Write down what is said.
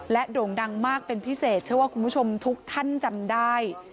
โด่งดังมากเป็นพิเศษเชื่อว่าคุณผู้ชมทุกท่านจำได้